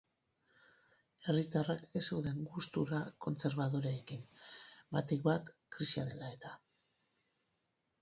Herritarrak ez zeuden gustura kontserbadoreekin, batik bat krisia dela eta.